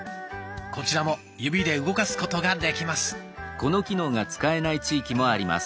こちらも指で動かすことができます。